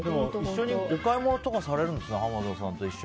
一緒にお買い物とかされるんですね